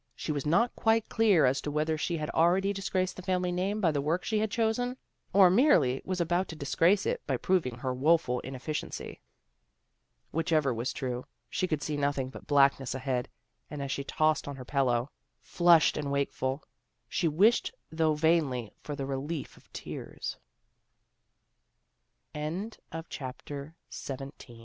She was not quite clear as to whether she had already dis graced the family name by the work she had chosen, or merely was about to disgrace it, by proving her woeful inefficiency. Whichever was true, she could see nothing but blackness ahead, and as she tossed on her pillow, flushed and wakeful, she wished t